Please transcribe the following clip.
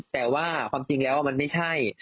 แต่ว่าความจริงแล้วมันไม่ใช่